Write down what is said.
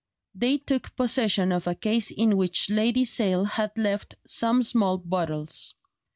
They took possession of a case in which Lady Sale had left some small bottles.